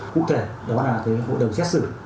cụ thể đó là cái hội đồng xét xử